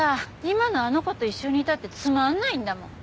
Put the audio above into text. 今のあの子と一緒にいたってつまんないんだもん。